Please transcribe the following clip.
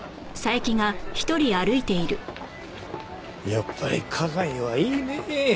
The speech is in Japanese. やっぱり花街はいいねえ。